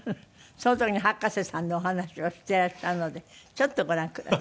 その時に葉加瀬さんのお話をしていらっしゃるのでちょっとご覧ください。